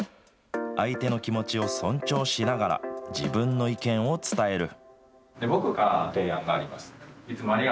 相手の気持ちを尊重しながら、自分の意見を伝える。